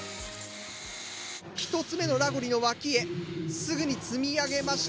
１つ目のラゴリの脇へすぐに積み上げました。